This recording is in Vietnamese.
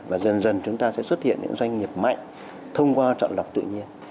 và dần dần chúng ta sẽ xuất hiện những doanh nghiệp mạnh thông qua chọn lọc tự nhiên